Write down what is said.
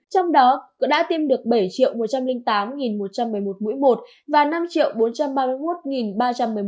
trong đó cũng đã tiêm được bảy một trăm một mươi hai liều vaccine